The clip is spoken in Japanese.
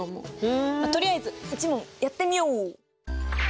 とりあえず１問やってみよう。